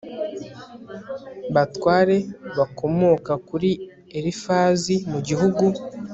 batware bakomoka kuri Elifazi mu gihugu